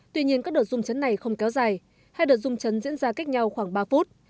tuy nhiên các đợt rung chấn này không kéo dài hai đợt dung chấn diễn ra cách nhau khoảng ba phút